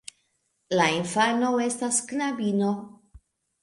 La infano estas knabino.